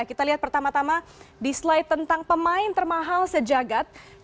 kita lihat pertama tama di slide tentang pemain termahal sejagat